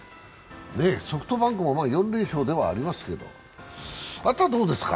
ソフトバンクも４連勝ではありますけど、あとはどうですか？